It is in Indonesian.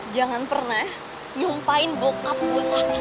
jangan pernah nyumpahin bokap gue sakit